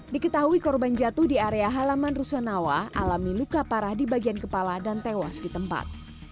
diketahui korban jatuh di area halaman rusunawa alami luka parah di bagian kepala dan tewas di tempat